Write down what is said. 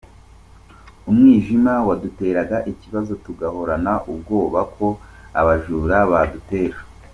Umwijima waduteraga ikibazo, tugahorana ubwoba ko abajura badutera.